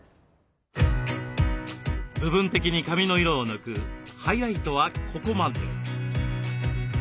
部分的に髪の色を抜くハイライトはここまで。